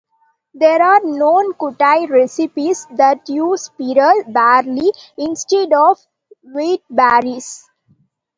There are known kutia recipes that use pearl barley instead of wheatberries.